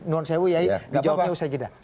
nuan sewu yayi dijawabnya usai jeda